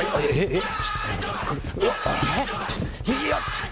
えっ？